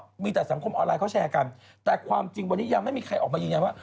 มีแต่สังคมออนไลน์เขาแชร์กันแต่ความจริงวันนี้ยังไม่มีใครออกมายืนยันว่า